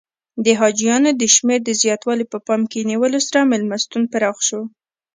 د حاجیانو د شمېر د زیاتوالي په پام کې نیولو سره میلمستون پراخ شو.